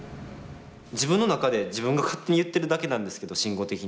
自分の中で自分が勝手に言ってるだけなんですけど慎吾的には。